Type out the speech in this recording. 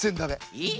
えっ？